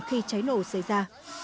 khi cháy nổ xảy ra